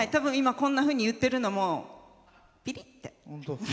こんなふうにいってるのもピキッて。